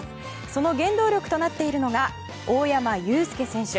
その原動力となっているのが大山悠輔選手。